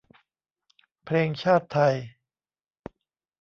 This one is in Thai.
เพลงชาติไทย